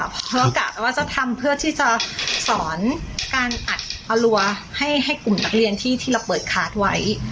เพราะกะว่าจะทำเพื่อที่จะสอนการอัดอรัวให้กลุ่มนักเรียนที่เราเปิดคาร์ดไว้